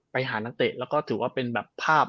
ไปหานักเตะแล้วก็ถือว่าเป็นแบบภาพ